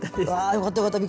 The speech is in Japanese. よかったよかった。